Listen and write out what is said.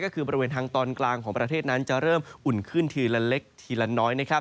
ก็คือบริเวณทางตอนกลางของประเทศนั้นจะเริ่มอุ่นขึ้นทีละเล็กทีละน้อย